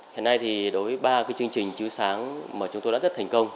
hôm nay đối với ba chương trình chiếu sáng mà chúng tôi đã rất thành công